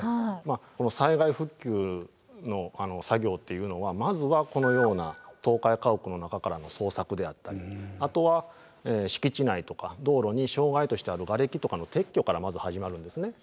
この災害復旧の作業っていうのはまずはこのような倒壊家屋の中からの捜索であったりあとは敷地内とか道路に障害としてあるガレキとかの撤去からまず始まるんですね。